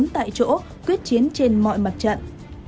bốn tại chỗ quyết chiến trên mọi mặt trận